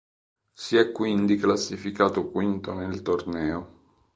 Si è quindi classificato quinto nel torneo.